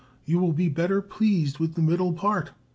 You will be better pleased with the middle part.